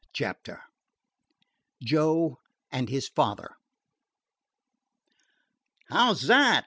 CHAPTER XXI JOE AND HIS FATHER "How 's that?"